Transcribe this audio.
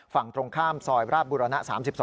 ฝั่งตรงข้ามซอยราชบุรณะ๓๒